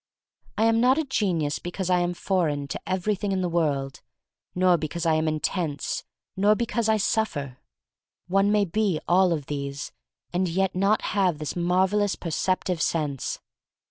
I am not a genius because I am for eign to everything in the world, nor because I am intense, nor because I suffer. One may be all of these and yet not have this marvelous perceptive sense.